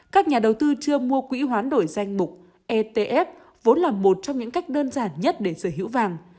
các nhà đầu tư chưa mua quỹ hoán đổi danh mục etf vốn là một trong những cách đơn giản nhất để sở hữu vàng